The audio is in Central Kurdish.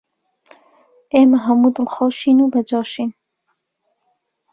ئێمە هەموو دڵخۆشین و بەجۆشین